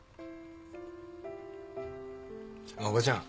あっおばちゃん。